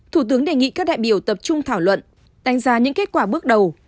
thủ tướng đề nghị các đại biểu tập trung thảo luận đánh giá những kết quả bước đầu